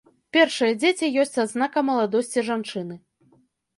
Першыя дзеці ёсць адзнака маладосці жанчыны.